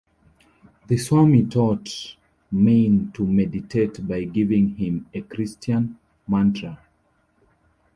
The swami taught Main to meditate by giving him a Christian mantra.